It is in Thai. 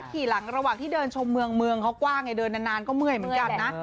ขี่หลังระหว่างที่เดินชมเมืองเขากว้างไงเดินนานก็เมื่อยเหมือนกันนะ